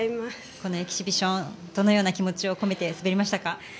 このエキシビションどのような気持ちを込めて滑りましたか？